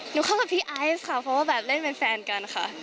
เข้ากับพี่ไอซ์ค่ะเพราะว่าแบบเล่นเป็นแฟนกันค่ะ